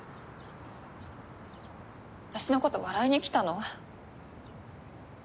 私のこと笑いにきたの？